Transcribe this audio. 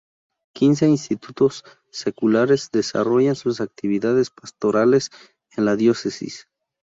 Quince institutos seculares desarrollan sus actividades pastorales en la diócesis.